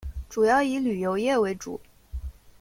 主要以旅游业为主。